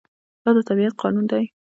دا د طبیعت قانون دی.